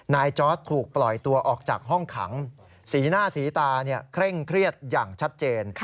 จอร์ดถูกปล่อยตัวออกจากห้องขังสีหน้าสีตาเคร่งเครียดอย่างชัดเจน